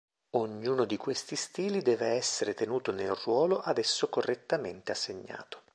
Ognuno di questi stili deve essere tenuto nel ruolo ad esso correttamente assegnato.